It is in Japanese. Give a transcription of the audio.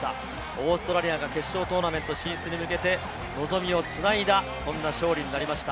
オーストラリアが決勝トーナメント進出に向け望みを繋いだ勝利になりました。